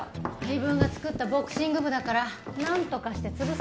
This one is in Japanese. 自分が作ったボクシング部だからなんとかして潰させないつもりなのよ